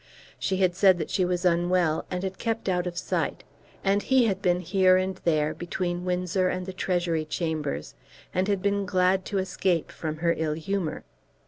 She had said that she was unwell and had kept out of sight; and he had been here and there, between Windsor and the Treasury Chambers, and had been glad to escape from her ill humour.